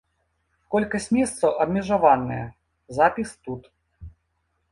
Колькасць месцаў абмежаваная, запіс тут.